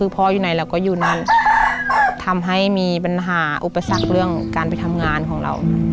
เป็นสักเรื่องการไปทำงานของเรา